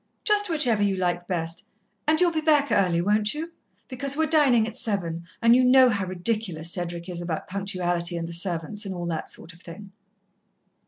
"Just whichever you like best. And you'll be back early, won't you? because we're dining at seven, and you know how ridiculous Cedric is about punctuality and the servants, and all that sort of thing."